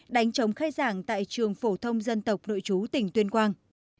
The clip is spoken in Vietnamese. đánh chống khai giảng tại trường phổ thông dân tộc nội chú tỉnh tuyên quang